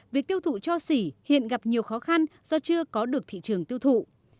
việc tiêu thụ cho xỉ hiện gặp nhiều khó khăn do chưa có được thị trường tiêu thụ